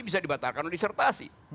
bisa dibatalkan oleh disertasi